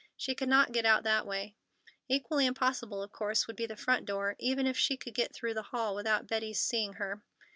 She could not get out that way. Equally impossible, of course, would be the front door, even if she could get through the hall without Betty's seeing her.